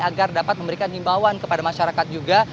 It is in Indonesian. agar dapat memberikan himbauan kepada masyarakat juga